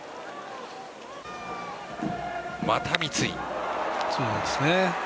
また、三井。